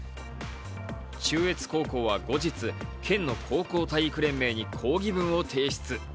中越高校は後日、県の高校体育連盟に抗議文を提出。